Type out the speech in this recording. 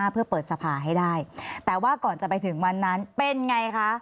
เพื่อเปิดสภาให้ได้แต่ว่าก่อนจะไปถึงวันนั้นเป็นไงคะ